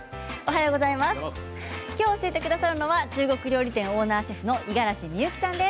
きょう教えてくださるのは中国料理店オーナーシェフの五十嵐美幸さんです。